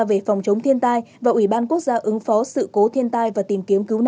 về phòng chống thiên tai và ủy ban quốc gia ứng phó sự cố thiên tai và tìm kiếm cứu nạn